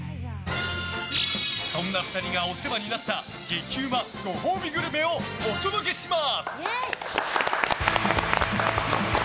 そんな２人がお世話になった激うまご褒美グルメをお届けします。